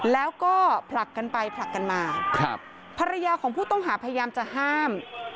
แล้วก็ผลักกันไปผลักกันมาครับภรรยาของผู้ต้องหาพยายามจะห้าม